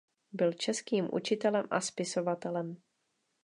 Byl českým učitelem a spisovatelem.